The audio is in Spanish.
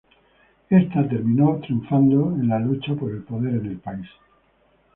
Esta terminó triunfando en la lucha por el poder en el país.